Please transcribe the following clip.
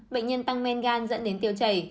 bệnh nhân tăng men gan dẫn đến tiêu chảy